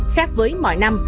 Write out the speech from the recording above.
khác với mọi năm